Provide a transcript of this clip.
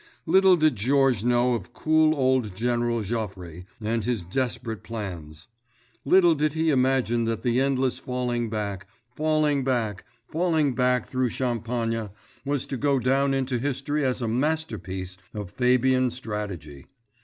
Little did Georges know of cool old General Joffre and his desperate plans. Little did he imagine that the endless falling back, falling back, falling back through Champagne was to go down into history as a masterpiece of Fabian strategy.